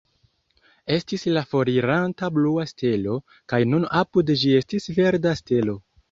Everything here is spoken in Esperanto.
Estis la foriranta blua stelo, kaj nun apud ĝi estis verda stelo.